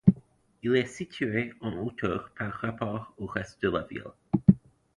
Il est situé en hauteur par rapport au reste de la ville.